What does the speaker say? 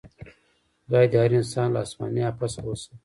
خدای دې هر انسان له اسماني افت څخه وساتي.